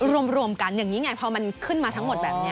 รวมกันอย่างนี้ไงพอมันขึ้นมาทั้งหมดแบบนี้